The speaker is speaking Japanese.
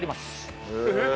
えっ！